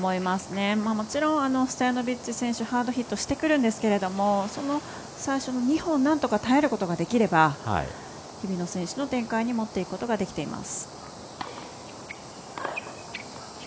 もちろんストヤノビッチ選手ハードヒットしてくるんですけどその最初の２本をなんとか耐えることができれば日比野選手の展開に持っていくことができています。